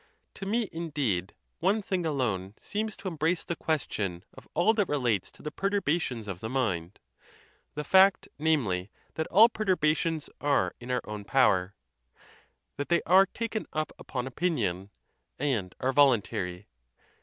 To me, indeed, one thing alone seems to embrace the question of all that relates to the perturbations of the mind—the fact, namely, that all per turbations are in our own power; that they are taken up upon opinion, and are voluntary.